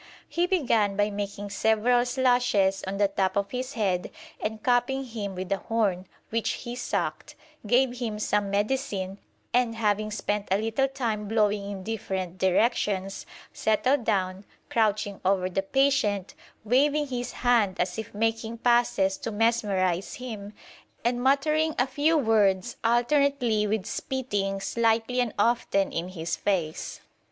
He began by making several slashes on the top of his head and cupping him with a horn, which he sucked, gave him some medicine, and having spent a little time blowing in different directions, settled down, crouching over the patient, waving his hand as if making passes to mesmerise him, and muttering a few words alternately with spitting, slightly and often, in his face.